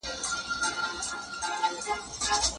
تاسو باید تل خپلو اولادونو ته د قلم او کتاب اهمیت ور وښایئ.